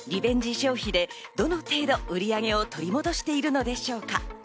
消費でどの程度、売り上げを取り戻しているのでしょうか。